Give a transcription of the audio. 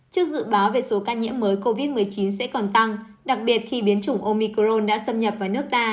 trước dự báo về số ca nhiễm mới covid một mươi chín sẽ còn tăng đặc biệt khi biến chủng omicron đã xâm nhập vào nước ta